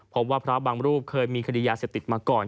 พบว่าพระบางรูปเคยมีคดียาเสพติดมาก่อน